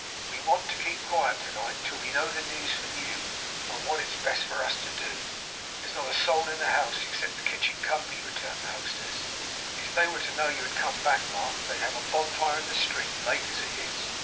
We want to keep quiet to night, till we know the news from you, and what it's best for us to do.' 'There's not a soul in the house, except the kitchen company,' returned the hostess. 'If they were to know you had come back, Mark, they'd have a bonfire in the street, late as it is.